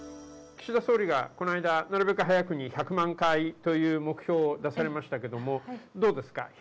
岸田総理がこないだ、なるべく早くに１００万回という目標を出されましたけども、どうですか？